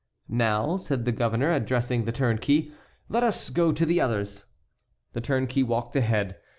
"Now," said the governor, addressing the turnkey, "let us go to the others." The turnkey walked ahead.